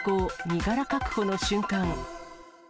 身柄確保の瞬間。